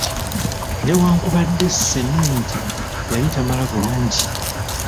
Newankubadde simenti yali tamala bulungi.